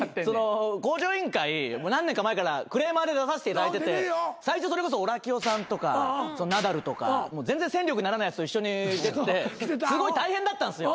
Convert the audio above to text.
『向上委員会』何年か前からクレーマーで出させていただいてて最初それこそオラキオさんとかナダルとか全然戦力にならないやつと一緒に出ててすごい大変だったんですよ。